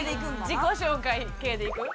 自己紹介系でいく？